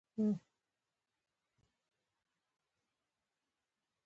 مزارشریف د افغانستان د صادراتو برخه ده.